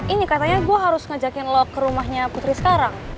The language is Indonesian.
ini katanya gue harus ngajakin lo ke rumahnya putri sekarang